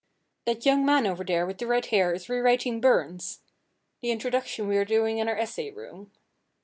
That young man over there with red hair is rewriting Burns the introduction we are doing in our essay room.